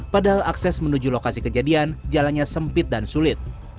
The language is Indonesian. padahal akses menuju lokasi kejadian jalannya sempit dan sulit